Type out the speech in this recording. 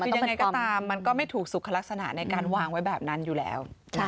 คือยังไงก็ตามมันก็ไม่ถูกสุขลักษณะในการวางไว้แบบนั้นอยู่แล้ว